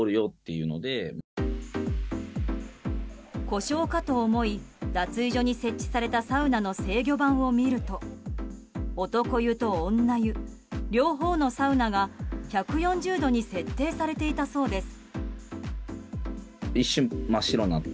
故障かと思い脱衣所に設置されたサウナの制御盤を見てみると男湯と女湯、両方のサウナが１４０度に設定されていたそうです。